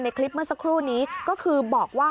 คลิปเมื่อสักครู่นี้ก็คือบอกว่า